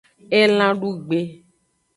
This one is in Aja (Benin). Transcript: Elan dugbe.